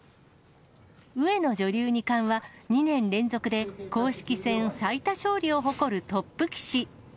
上野女流二冠は２年連続で公式戦最多勝利を誇るトップ棋士。